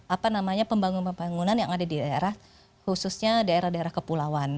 apa namanya pembangunan pembangunan yang ada di daerah khususnya daerah daerah kepulauan